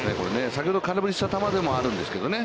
先ほど空振りした球でもあるんですけどね。